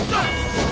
ada yang ngecek